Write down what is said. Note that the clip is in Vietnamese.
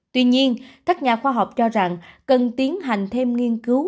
tuy nhiên các nhà khoa học cho rằng cần tiến hành thêm nghiên cứu